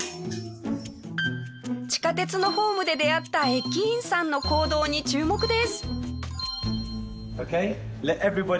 地下鉄のホームで出会った駅員さんの行動に注目です。